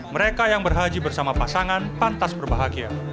mereka yang berhaji bersama pasangan pantas berbahagia